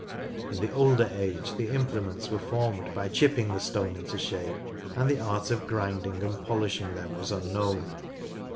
In the older age the implements were formed by chipping the stone into shape, and the art of grinding and polishing them was unknown.